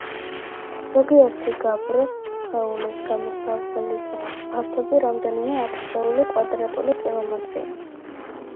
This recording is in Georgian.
ზოგიერთი გაბროს სხეულის გამოსავლის ფართობი რამდენიმე ათასეული კვადრატული კილომეტრია.